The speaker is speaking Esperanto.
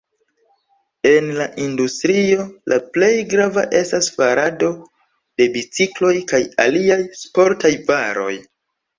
En la industrio la plej grava estas farado de bicikloj kaj aliaj sportaj varoj.